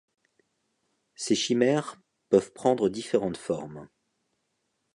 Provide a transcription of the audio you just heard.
Ces chimères peuvent prendre différentes formes.